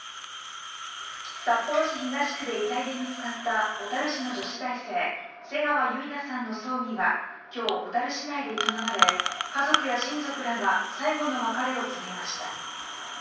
札幌市東区で遺体で見つかった小樽市の女子大生瀬川結菜さんの葬儀が今日、小樽市内で営まれ家族や親族らが最後の別れを告げました。